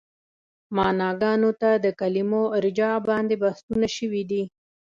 معناګانو ته د کلمو ارجاع باندې بحثونه شوي دي.